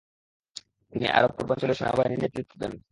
তিনি আরব পূর্বাঞ্চলীয় সেনাবাহিনীর নেতৃত্ব দেন।